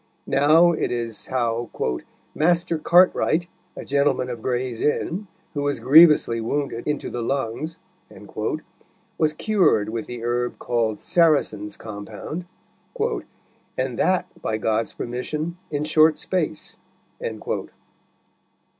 Now it is how "Master Cartwright, a gentleman of Gray's Inn, who was grievously wounded into the lungs," was cured with the herb called "Saracen's Compound," "and that, by God's permission, in short space."